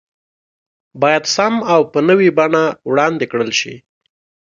بايد سم او په نوي بڼه وړاندې کړل شي